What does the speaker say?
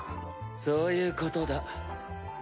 そういうことだ。